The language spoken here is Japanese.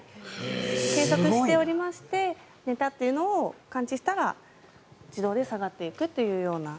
計測しておりまして寝たというのを感知したら自動で下がっていくというような。